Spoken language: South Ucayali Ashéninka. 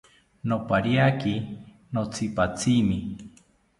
Nopariaki notzipatzimi